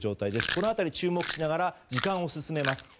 この辺りに注目しながら時間を進めます。